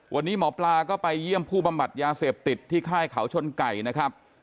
วันนี้หมอปลาก็ไปเยี่ยมผู้บำบัดยาเสพติดที่ค่ายเขาชนไก่นะครับ